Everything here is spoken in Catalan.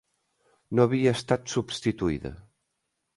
No havia estat substituïda